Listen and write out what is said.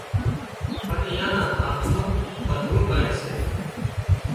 پڻ اين نا هاٿ مان ٻڌوئيني ڪانئين سي